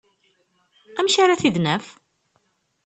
Amek ara t-id-naf?